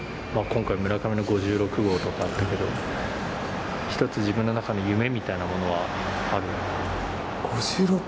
今回村上の５６号とかあったけどはいひとつ自分の中の夢みたいなものはある？